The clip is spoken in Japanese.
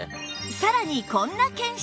さらにこんな検証